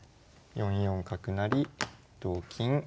４四角成同金。